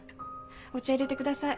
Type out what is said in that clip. お茶入れてください。